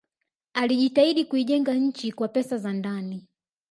alijitahidi kuijenga nchi kwa pesa za ndani